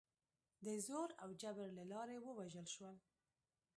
د زور او جبر له لارې ووژل شول.